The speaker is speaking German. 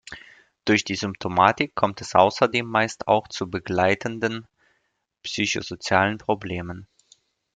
Durch die Symptomatik kommt es außerdem meist auch zu begleitenden psychosozialen Problemen.